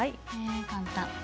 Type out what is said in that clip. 簡単。